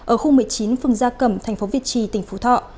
ở khu một mươi chín phường gia cẩm tp việt trì tỉnh phú thọ